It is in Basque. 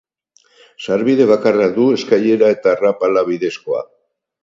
Sarbide bakarra du, eskailera eta arrapala bidezkoa.